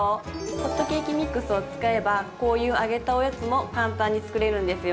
ホットケーキミックスを使えばこういう揚げたおやつも簡単に作れるんですよ。